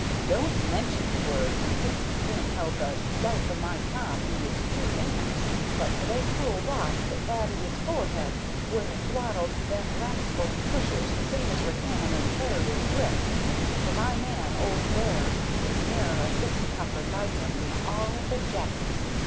Don't mention the word when hit's 'im 'eld the life of my Tom in 'is two 'ands, and but for they cruel rocks that battered 'is fore'ead would ha' throttled them rascal pushers same as rattan in tarrier's grip; for my man 'olds there was ne'er a fisticuffer like 'im in hall the Jackets.